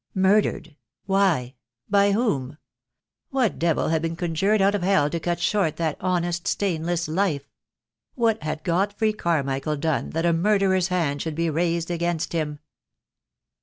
Murdered! Why? By whom? What devil had been conjured out of hell to cut short that honest, stainless life? What had Godfrey Carmichael done that a murderer's hand should be raised against him?